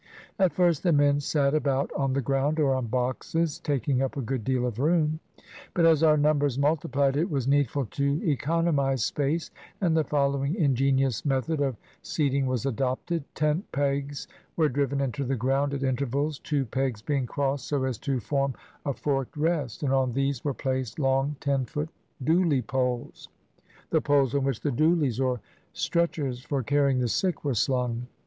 At first the men sat about on the ground, or on boxes, taking up a good deal of room. But as our numbers multiplied it was needful to econo mize space, and the following ingenious method of seat ing was adopted : Tent pegs were driven into the ground at intervals, two pegs being crossed so as to form a forked rest; and on these were placed long ten foot 220 SUNDAY IN THE BRITISH ARMY IN INDIA dooley poles — the poles on which the dooleys, or stretch ers for carrying the sick were slung.